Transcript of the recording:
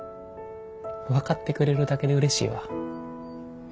分かってくれるだけでうれしいわ。